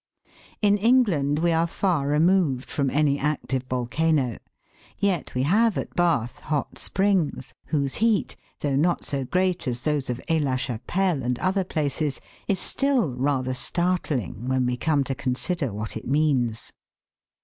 In England we are far removed from any active volcano, yet we have at Bath hot springs, whose heat, though not so great as those of Aix la Chapelle and other places, is still rather startling when we come to consider what it means.